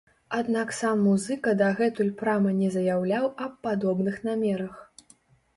Аднак сам музыка дагэтуль прама не заяўляў аб падобных намерах.